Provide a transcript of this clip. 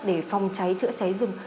để phòng cháy chữa cháy rừng